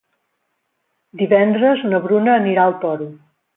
Divendres na Bruna anirà al Toro.